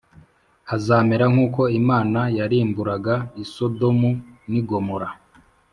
hazamera nk uko Imana yarimburaga i Sodomu n ‘igomora.